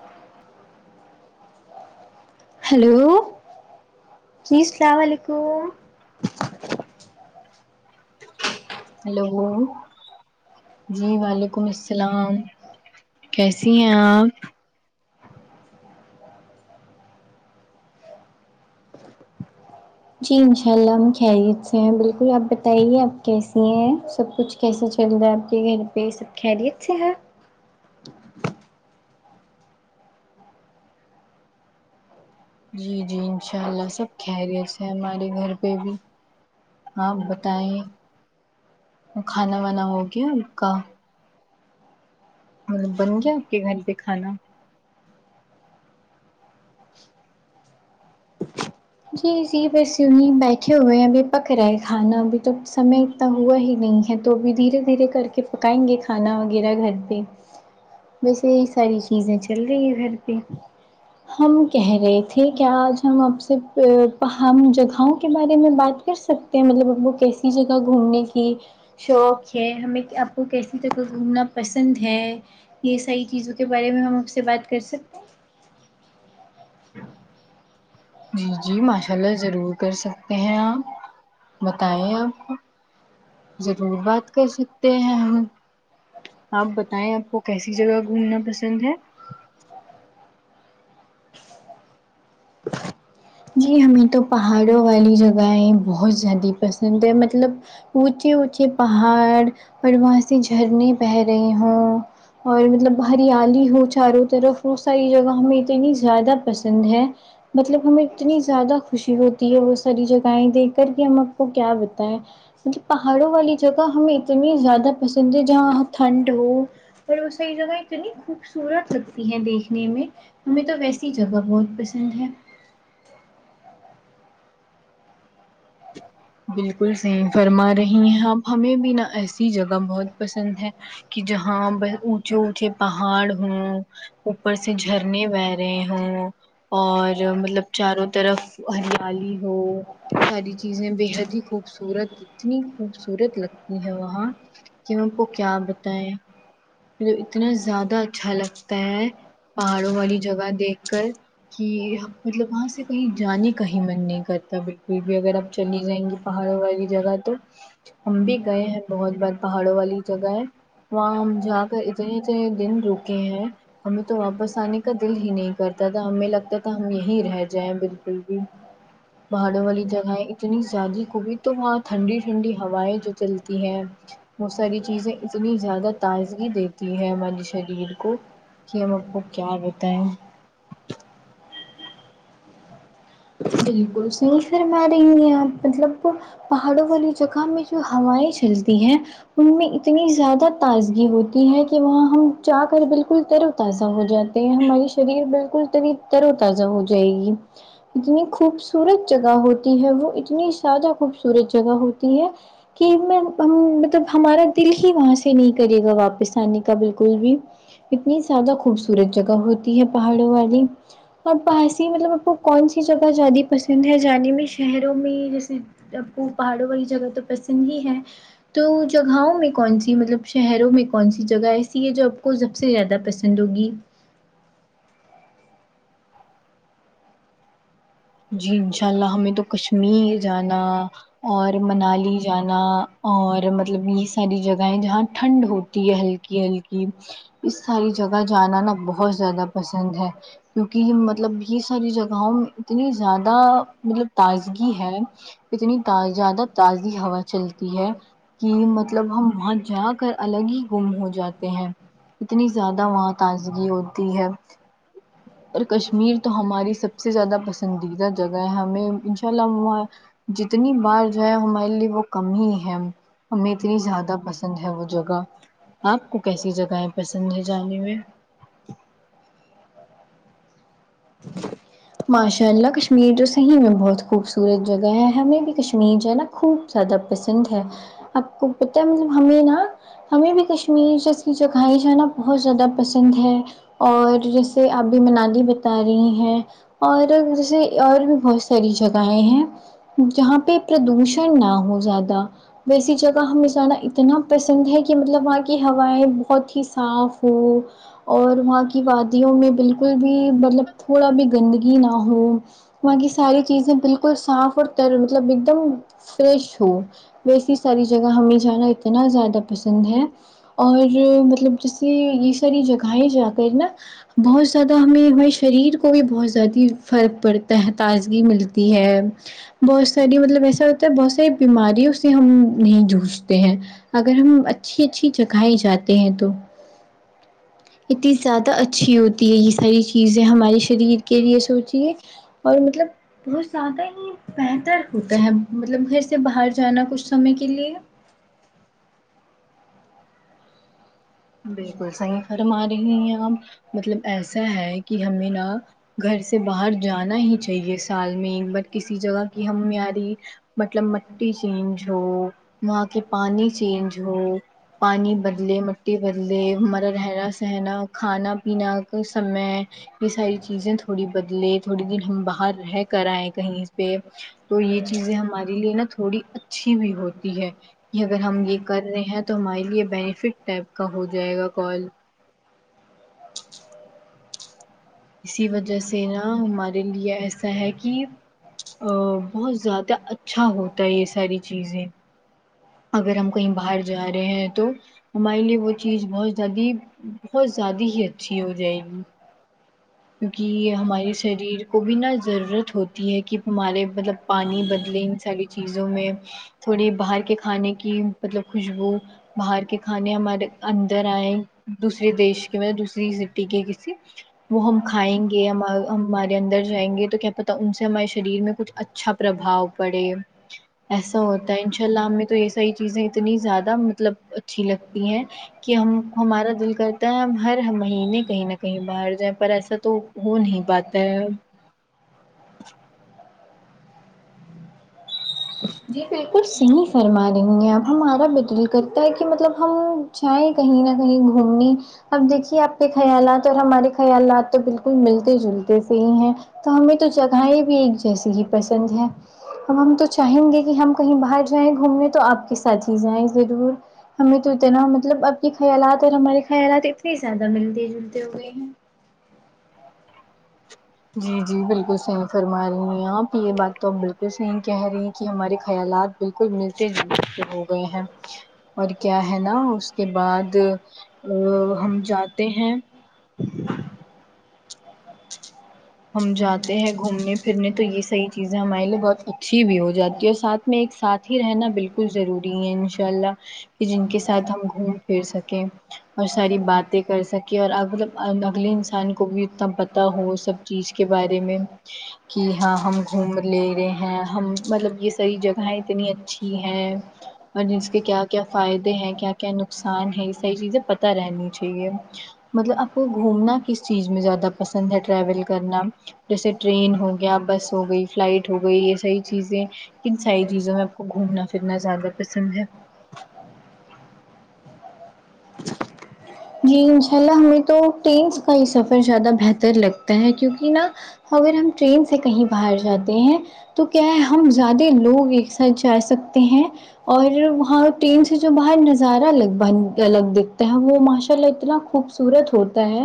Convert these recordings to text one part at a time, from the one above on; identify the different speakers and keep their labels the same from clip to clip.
Speaker 1: ناقابل سماعت ہیلو جی السلام علیکم
Speaker 2: ہیلو جی وعلیکم السلام کیسی ہیں آپ
Speaker 1: جی انشاء اللہ ہم خیریت سے ہیں بالکل آپ بتائیے آپ کیسی ہیں سب کچھ کیسے چل رہا ہے آپ کے گھر پہ یہ سب خیریت سے ہے
Speaker 2: جی جی انشاء اللہ سب کہریے ہمارے گھر پہ بھی آپ بتائیں کھانا وانا ہو گیا آپ کا مطلب بن گیا آپ کے گھر پہ کھانا
Speaker 1: جی جی بس یوں ہی بیٹھے ہوئے ہیں ابھی پک رہے ہے کھانا ابھی تو سمے ہوا ہی نہیں ہے تو ابھی دھیرے دھیرے کر کے پکائیں گے کھانا وغیرہ گھر پہ ویسے یہی ساری چیزیں چل رہی ہے گھر پہ ہم کہہ رہے تھے کہ آج ہم آپ سے ہم جگہوں کے بارے میں بات کر سکتے ہیں مطلب وہ کیسی جگہ گھومنے کی شوق ہے ہمیں آپ کو کیسی تک گھومنا پسند ہے یہ ساری چیزوں کے بارے میں ہم آپ سے بات کر سکتے ہ
Speaker 2: جی جی ماشاء اللہ ضرور کر سکتے ہیں آپ بتائیں آپ کو ضرور بات کر سکتے ہیں ہم آپ بتائیں آپ کو کیسی جگہ گھومنا پسند ہے
Speaker 1: جی ہمیں تو پہاڑوں والی جگہیں بہت زیادہ پسند ہے مطلب اونچے اونچے پہاڑ اور وہاں سے جھرنے بہ رہی ہوں اور مطلب ہریالی ہو چاروں طرف وہ ساری جگہ ہمیں اتنی زیادہ پسند ہے مطلب ہمیں اتنی زیادہ خوشی ہوتی ہے وہ ساری جگہیں دیکھ کر کے ہم آپ کو کیا بتائیں م پہاڑوں والی جگہ ہمیں اتنی زیادہ پسند ہے جہاں ٹھنڈ ہو پر وہ صحیح جگہ اتنی خوبصورت لگتی ہے دیکھنے میں ہمیں تو ویسی جگہ بہت پسند ہے
Speaker 2: بالکل صحیح فرما رہی ہیں آپ ہمیں بھی نہ ایسی جگہ بہت پسند ہے کہ جہاں ب اونچے اونچے پہاڑ ہوں اوپر سے جھرنے بھر رہے اور مطلب چاروں طرف ہریالی ہو ساری چیزیں خوبصورت اتنی خوبصورت لگتی وہاں کی آ کو کیا بتائے مجھے اتنا زیادہ اچھا لگتا ہے پہاڑوں والی جگہ دیکھ کر کہ مطلب وہاں سے کہیں جانے کہیں من نہیں کرتا بالکل بھی اگر آپ چلی جائیں گے پہاڑوں والی جگہ تو ہم بھی گئے ہیں بہت بار پہاڑوں والی جگہ ہے وہاں ہم جا اتنے اتنے دن رکے ہیں ہمیں تو واپس آنے کا دل ہی نہیں کرتا تھا ہمیں لگتا تھا ہم یہیں رہ جائیں بالکل بھی پہاڑوں والی جگہیں اتنی زیادی خوبی تو وہاں ٹھنڈی ٹھنڈی ہوائیں جو چلتی ہے بہت ساری چیزیں اتنی زیادہ تاز گی دیتی ہے ہمارے شریر کو کہ ہم آپ کو کیا بتائیں
Speaker 1: بالکل صحیح فرما رہی ہیں آپ مطلب کہ پہاڑوں والی جگہ میں جو ہوائیں چلتی ہیں ان میں اتنی زیادہ تازگی ہوتی ہے کہ وہاں ہم جا کر بالکل تر و تازہ ہو جات تے ہماری شریر بالکل تری ترو تازہ ہو جائے گی اتنی خوبصورت جگہ ہوتی ہے وہ اتنی ذیادہ خوبصورت جگہ ہوتی ہے کہ میں ہمم مطلب ہمارا دل ہی وہاں سے نہیں کرے گا واپس آنے کا بالکل بھی اتنی زیادہ خوبصورت جگہ ہوتی ہے پہاڑوں والی اور [unintelligible] مطلب آپ کو کون سی جگہ زیادی پسند ہے جانے میں شہروں میں جیسے آپ کو پہاڑوں والی جگہ تو پسند ہی ہے تو جگہوں میں کون سی مطلب شہروں میں کون سی جگہ ایسی ہے جو آپ کو سب سے زیادہ پسند ہوگی
Speaker 2: جی انشاء اللہ ہمیں تو کشمیر جانا اور منالی جانا اور مطلب یہ ساری جگہیں جہاں ٹھنڈ ہوتی ہے ہلکی ہلکی اس ساری جگہ جانا نا بہت زیادہ پسند ہے کیونکہ مطلب یہ ساری جگہوں میں اتنی زیادہ مطلب تازگی ہے اتنی تازہ زیادہ تازی ہوا چلتی ہے کی مطلب ہم وہاں جا کر الگ ہی گم ہو جاتے ہیں اتنی زیادہ وہاں تازگی ہوتی ہے اور کشمیر تو ہماری سب سے زیادہ پسن دیدہ جگہ ہے ہمیں ان شاء اللہ ہم وہاں جتنی بار جائے ہمارے لیے وہ کم ہی ہے ہمیں اتنی زیادہ پسند ہے وہ جگہ آپ کو کیسی جگہیں پسند ہے جانے میں
Speaker 1: ماشاء اللہ کشمیر جو صحیح میں بہت خوبصورت جگہ ہے ہمیں بھی کشمیر جو ہے نا خوب زیادہ پسند ہے آپ کو پتا ہے مطلب ہمیں نا ہمیں بھی کشمیر جیسی جگہیں جانا بہت زیادہ پسند ہے اور جیسے اپ بھی منالی بتا رہی ہیں اور جیسے اور بھی بہت ساری جگہیں ہیں جہاں پہ پردوشن نہ ہو زیادہ ویسی جگہ ہمیں جانا اتنا پسند ہے کہ مطلب وہاں کی ہوائیں بہت ہی صاف ہو اور وہاں کی وادیوں میں بالکل بھی مطلب تھوڑا بھی گندگی نہ ہو وہاں کی ساری چیزیں بالکل صاف اور تر مطلب ایکدم فریش ہو ویسی ساری جگہ ہمیں جانا اتنا زیادہ پسند ہے اور مطلب جیسے یہ ساری جگہیں جاکر نا بہت زیادہ ہمیں ہمارے شریر کو بھی بہت زیادہ فرق پڑتا ہے تازگی ملتی ہے بہت ساری مطلب ایسا ہوتا ہے بہت ساری بیماریوں اس سے ہم نہیں جووجتے ہیں اگر ہم اچھی اچھی جگہیں جاتے ہیں تو اتنی زیادہ اچھی ہوتی ہے یہ ساری چیزیں ہمارے شریر کے لیے سوچئے اور مطلب بہت زیادہ ہی بہتر ہوتا ہے مطلب گھر سے باہر جانا کچھ سمے کے لیے
Speaker 2: بالکل صحیح فرما رہی ہیں آپ مطلب ایسا ہے کہ ہمیں نہ گھر سے باہر جانا ہی چاہیے سال میں ایک بار کسی جگہ کی ہم میعاری مطلب مٹی چینج ہو وہاں کے پانی چینج ہو پانی بدلے مٹی بدلے ہمارا رہنا سہنا کھانا پینا کا سمے یہ ساری چیزیں تھوڑی بدلے تھوڑے دن ہم باہر رہ کر آئے کہیں پہ تو یہ چیزیں ہمارے لیے نا تھوڑی اچھی بھی ہوتی ہے کہ اگر ہم یہ کر رہے ہیں تو ہمارے لیے بینیفٹ ٹائپ کا ہو جائے گا کال اسی وجہ سے نا ہمارے لیے ایسا ہے کی ہ اہ بہت زیادہ اچھا ہوتا ہے یہ ساری چیزیں اگر ہم کہیں باہر جا رہے ہیں تو ہمارے لیے وہ چیز بہت زیادی بہت زیادی ہی اچھی ہو جائے گی کیونکی یہ ہمارے شریر کو بھی نا ضرورت ہوتی ہے کہ ہمارے مطلب پانی بدلے ان ساری چیزوں میں تھوڑی باہر کے کھانے کی مطلب خوشبو باہر کے کھانے ہمارے اندر آئے دوسرے دیش کے مطلب دوسری سٹی کے کسی وہ ہم کھائیں گے ہمارے اندر جائیں گے تو کیا پتہ ان سے ہمارے شریر میں کچھ اچ چھا پرباؤ پڑے ایسا ہوتا ہے ان شاء اللہ ہم میں تو یہ ساری چیزیں اتنی زیادہ مطلب اچھی لگتی ہیں کہ ہم ہمارا دل کرتا ہے ہم ہر مہینے کہیں نہ کہیں باہر جائیں پر ایسا تو ہو نہیں پاتا ہے ہ
Speaker 1: جی بالکل سہی فرمارہی ہے آپ ہمارا بھی دل کرت تا کہ مطلب ہم چاہیں کہیں نہ کہیں گھومنی اب دیکھیے آپ کے خیالات اور ہمارے خیالات تو بالکل ملتے جلتے سے ہی ہیں تو ہمیں تو جگاہیں بھی ایک جیسی ہی پسند ہے اب ہم تو چاہیں گے کہ ہم کہیں باہر جائیں گھومنے تو آپ کے ساتھ ہی جائیں ضرور ہمیں تو اتنا ہو مطلب اب کے خیالات اور ہمارے خیالات اتنے زیادہ ملتے جھلتے ہوئے ہیں
Speaker 2: جی جی بالکل صحیح فرما رہی ہیں آپ یہ بات تو اپ بالکل صحیح کہہ رہی ہیں کہ ہمارے خیالات بالکل ملتے جلتے ہو گئے ہیں اور کیا ہے نا اس کے بعد ہم جاتے ہیں ہم جاتے ہیں گھومنے پھرنے تو یہ صحیح چیزیں ہمارے لیے بہت اچھی بھی ہو جاتی ہے اور ساتھ میں ایک ساتھ ہی رہنا بالکل ضروری ہے ان شاء اللہ کہ جن کے ساتھ ہم گھوم پھر سکیں اور ساری باتیں کر سکیں اور اگلے انسان کو بھی اتنا پتا تا ہو سب چیز کے بارے میں کہ ہاں ہم گھوم لے رہے ہیں ہم مطلب یہ ساری جگاہیں اتنی اچھی ہیں اور جس کے کیا کیا فائدے ہیں کیا کیا نقصان ہے یہ ساری چیزیں پتہ رہنی چاہیے مطلب آپ کو گھومنا کس چیز میں زیادہ پسند ہے ٹریول کرنا جیسے ٹرین ہو گیا بس ہو گئی فلائٹ ہو گئی یہ ساری چیزیں کن ساری چیزوں میں آپ کو گھومنا پھرنا زیادہ پسند ہے
Speaker 1: جی انشاء اللہ ہمیں تو ٹرینس کا ہی سفر زیادہ بہتر لگتا ہے کیونکی نا اگر ہم ٹرین سے کہیں باہر جاتے ہیں تو کیا ہے ہم زیادے لوگ ایک ساتھ جا سکتے ہیں اور وہاں ٹرین سے جو باہر نظارہ لگ بن الگ دکھتا ہے وہ ماشا اللہ اتنا خوبصورت ہوتا ہے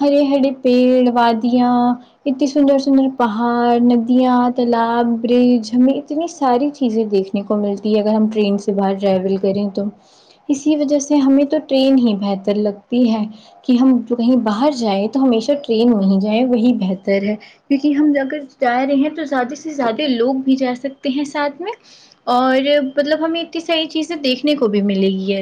Speaker 1: ہرے ہرے پیڑ وادیاں اتنی سندر سندر پہاڑ ندیاں تالاب برج ہمیں اتنی ساری چیزیں دیکھ نے کو ملتی ہے اگر ہم ٹرین سے باہر ٹریول کریں تو اسی وجہ سے ہمیں تو ٹرین ہی بہتر لگتی ہے کہ ہم کہیں باہر جائیں تو ہمیشہ ٹرین وہیں جائیں وہی بہتر ہے کیونکہ ہم اگر جا رہے ہیں تو زیادہ سے زیادہ لوگ بھی جا سکتے ہیں ساتھ میں اور مطلب ہمیں اتنی ساری چیزیں دیکھنے کو بھی ملے گی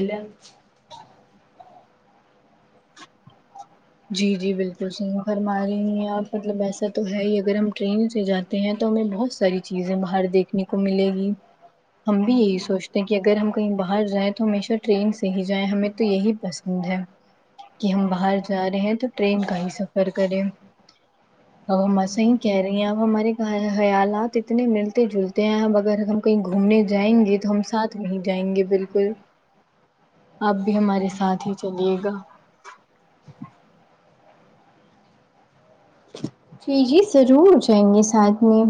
Speaker 2: جی جی بالکل صحیح فر ہمارے آپ مطلب ایسا تو ہے ہی اگر ہم ٹرین سے جاتے تے ہیں تو ہمیں بہت ساری چیزیں باہر دیکھنے کو ملے گی
Speaker 1: ہاں
Speaker 2: ہم بھی یہی سوچتے ہیں کہ اگر ہم کہیں باہر جائیں تو ہمیشہ ٹرین سے ہی جائیں ہمیں تو یہی پسند ہے کہ ہم باہر جا رہے ہیں تو ٹرین کا ہی سفر کرے اب ہم ایسا ہی کہہ رہی ہیں اب ہمارے خیالات اتنے ملتے جلتے ہیں اب اگر ہم کہیں گھومنے جائیں گے تو ہم ساتھ نہیں جائیں گے بالکل آپ بھی ہمارے ساتھ ہی چلیے گا
Speaker 1: جی جی ضرور جائیں گے ساتھ میں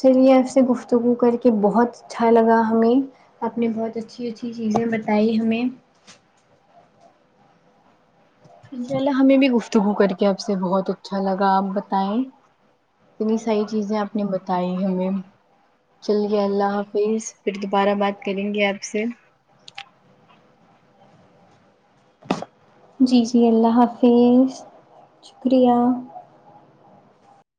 Speaker 1: چلیے آپ سے گفت تگو کر کے بہت اچھا لگا ہمیں آپ نے بہت اچھی اچھی چیزیں بتائی ہمیں
Speaker 2: انشاء اللہ ہمیں بھی گفتگو کر کے آپ سے بہت اچھا لگا آپ بتائیں اتنی ساری چیزیں آپ نے بتائی ہمیں چلیے اللہ حافظ پھر دوبارہ بات کریں گے آپ سے
Speaker 1: جی جی اللہ حافظ شکریہ